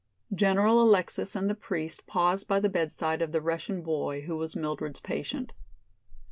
General Alexis and the priest paused by the bedside of the Russian boy who was Mildred's patient.